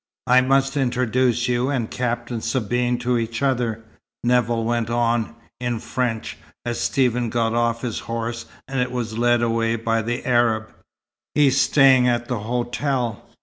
"I must introduce you and Captain Sabine to each other," Nevill went on, in French, as Stephen got off his horse and it was led away by the Arab. "He's staying at the hotel.